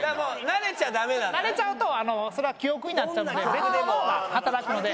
慣れちゃうとそれは記憶になっちゃうので別の脳が働くので。